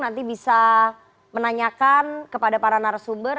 nanti bisa menanyakan kepada para narasumber